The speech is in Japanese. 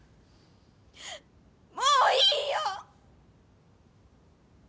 もういいよ！